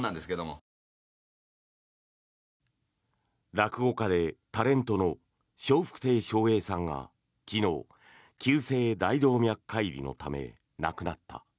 落語家でタレントの笑福亭笑瓶さんが昨日、急性大動脈解離のため亡くなった。